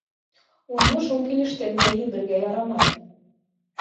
Уны шул килеш тәнгә һибергә ярамай.